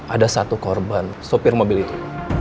ada satu korban sopir mobil itu